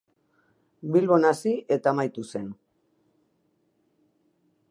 Bilbon hasi eta amaitu zen.